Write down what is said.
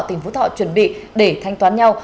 tỉnh phú thọ chuẩn bị để thanh toán nhau